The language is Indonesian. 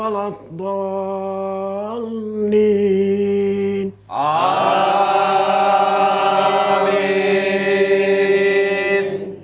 nah kita malem sekarang